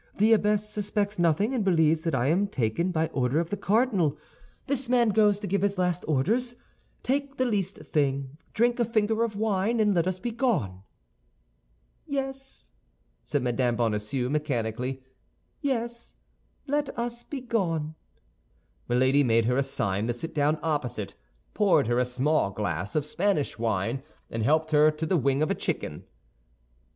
The abbess suspects nothing, and believes that I am taken by order of the cardinal. This man goes to give his last orders; take the least thing, drink a finger of wine, and let us be gone." "Yes," said Mme. Bonacieux, mechanically, "yes, let us be gone." Milady made her a sign to sit down opposite, poured her a small glass of Spanish wine, and helped her to the wing of a chicken.